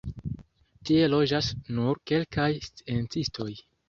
Tie loĝas nur kelkaj sciencistoj.